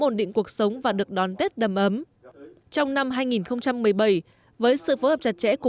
ổn định cuộc sống và được đón tết đầm ấm trong năm hai nghìn một mươi bảy với sự phối hợp chặt chẽ của